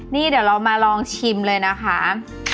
นี่เดี๋ยวเรามาลองชิมเลยนะคะ